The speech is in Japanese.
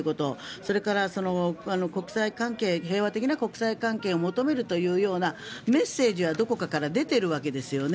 それから、平和的な国際関係を求めるというようなメッセージはどこかから出ているわけですよね。